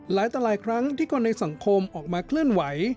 หลายต่อหลายครั้งที่คนในสังคมออกมาเคลื่อนไหว